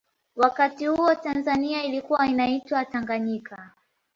wakati huo tanzania ilikua inaitwa tanganyika